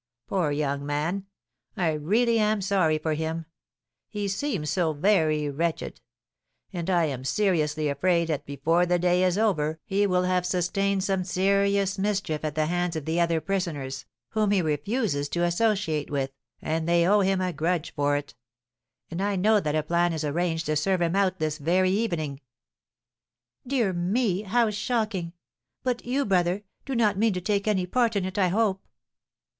Poor young man! I really am sorry for him, he seems so very wretched; and I am seriously afraid that before the day is over he will have sustained some serious mischief at the hands of the other prisoners, whom he refuses to associate with, and they owe him a grudge for it; and I know that a plan is arranged to serve him out this very evening." "Dear me, how shocking! But you, brother, do not mean to take any part in it, I hope?"